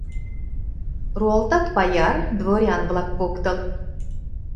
Руалтат паяр, дворян-влак поктыл